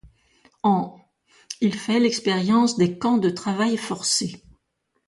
En -, il fait l'expérience des camps de travail forcé.